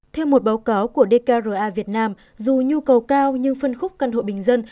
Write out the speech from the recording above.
theo một báo cáo của dkra việt nam dù nhu cầu cao nhưng phân khúc căn hộ bình dân